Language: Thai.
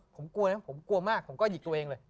ผมกลัวนะผมกลัวมากผมก็หยิกตัวเองเลย